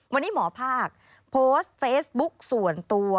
วันนี้หมอภาคโพสต์เฟซบุ๊กส่วนตัว